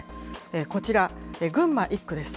こちら、群馬１区です。